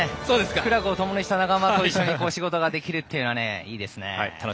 苦楽をともにした仲間と仕事をできるというのはいいですね。